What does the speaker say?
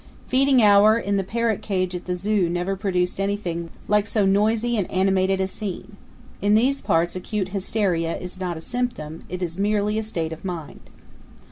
Feeding hour in the parrot cage at the zoo never produced anything like so noisy and animated a scene. In these parts acute hysteria is not a symptom; it is merely a state of mind.